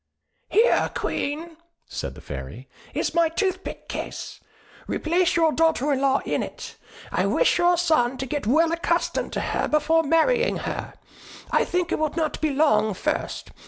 "Here, Queen," said the Fairy, "is my toothpick case; replace your daughter in law in it. I wish your son to get well accustomed to her before marrying her. I think it will not be long first.